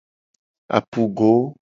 Apugo.